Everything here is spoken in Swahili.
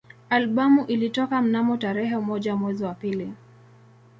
Albamu ilitoka mnamo tarehe moja mwezi wa pili